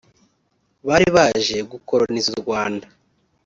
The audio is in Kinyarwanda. bari baraje gukoroniza u Rwanda